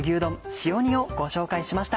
塩煮をご紹介しました。